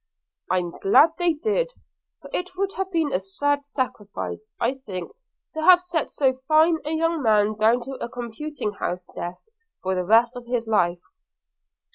'I am glad they did; for it would have been a sad sacrifice, I think, to have set so fine a young man down to a compting house desk for the rest of his life.'